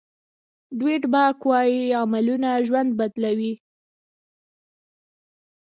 ډویډ باک وایي عملونه ژوند بدلوي.